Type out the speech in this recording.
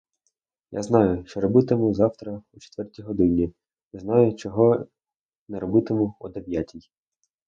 Я знаю, що робитиму завтра о четвертій годині, знаю, чого не робитиму о дев'ятій.